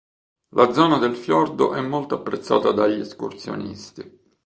La zona del fiordo è molto apprezzata dagli escursionisti.